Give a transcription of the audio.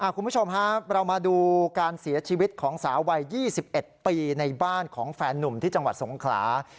คุณผู้ชมครับเรามาดูการเสียชีวิตของสาววัย๒๑ปีในบ้านของแฟนนุ่มที่จังหวัดสงขลา